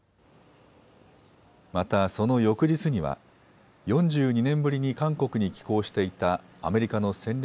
またその翌日には４２年ぶりに韓国に寄港していたアメリカの戦略